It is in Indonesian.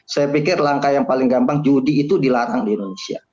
saya pikir langkah yang paling gampang judi itu dilarang di indonesia